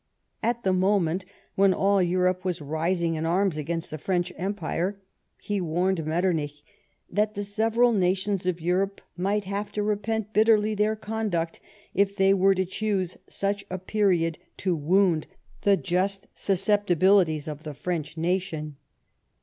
At the moment when all Europe was rising in arms against the French Empire he warned Metternich that the several nations of Europe might have to repent bitterly their conduct if they were to choose such a period to wound the just susceptibilities of the French nation.